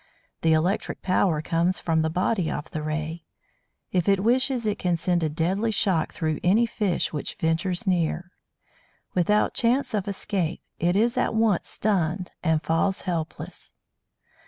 The electric power comes from the body of the Ray; if it wishes it can send a deadly shock through any fish which ventures near. Without chance of escape, it is at once stunned, and falls helpless.